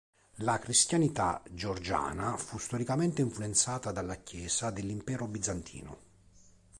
La cristianità georgiana fu storicamente influenzata dalla Chiesa dell'Impero bizantino.